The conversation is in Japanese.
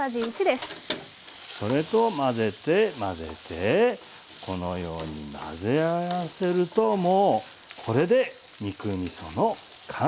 それと混ぜて混ぜてこのように混ぜ合わせるともうこれで肉みその完成になります。